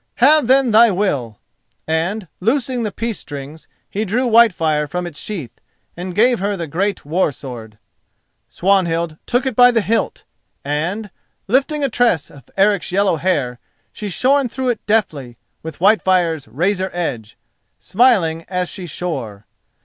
"Have then thy will;" and, loosing the peace strings, he drew Whitefire from its sheath and gave her the great war sword. Swanhild took it by the hilt, and, lifting a tress of Eric's yellow hair, she shore through it deftly with Whitefire's razor edge, smiling as she shore.